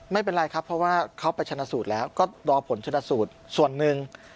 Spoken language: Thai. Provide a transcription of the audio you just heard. ไม่เป็นไรครับเพราะว่าเขาไปชนะสูตรแล้วก็รอผลชนสูตรส่วนหนึ่ง